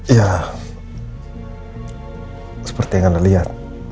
ya seperti yang anda lihat